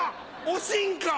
おしんか？